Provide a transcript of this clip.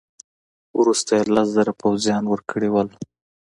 وروسته یې لس زره پوځیان ورکړي وه.